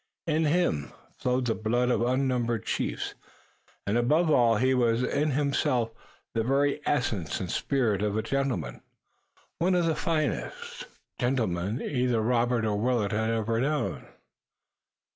In him flowed the blood of unnumbered chiefs, and, above all, he was in himself the very essence and spirit of a gentleman, one of the finest gentlemen either Robert or Willet had ever known.